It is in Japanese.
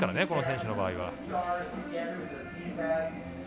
この選手の場合は。